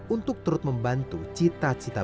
untuk terus membantu cita citabat